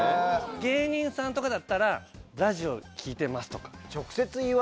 芸人さんとかだったら「ラジオ聞いてます」とか。